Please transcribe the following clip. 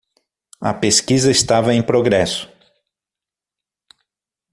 A pesquisa estava em progresso.